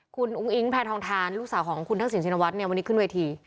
คุณอุ้งอิงแพนธองทานลูกสาวของคุณทักษิญาวัสดิ์วันนี้ขึ้นเวที